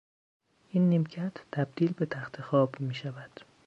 این نیمکت تبدیل به تختخواب میشود.